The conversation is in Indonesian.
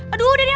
aduh udah deh